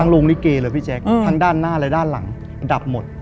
โรงลิเกเลยพี่แจ๊คทั้งด้านหน้าและด้านหลังดับหมด